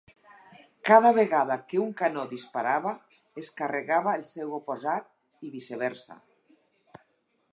Cada vegada que un canó disparava, es carregava el seu oposat, i viceversa.